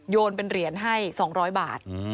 เป็นเหรียญให้๒๐๐บาท